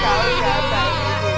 bisa gak ada yang tahu siapa itu